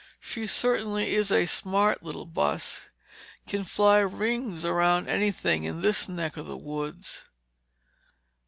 She certainly is a smart little bus—can fly rings around anything in this neck of the woods.